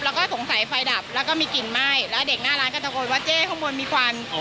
แล้วก็สงสัยไฟดับแล้วก็มีกลิ่นไหม้แล้วเด็กหน้าร้านก็ตะโกนว่าเจ๊ข้างบนมีควัน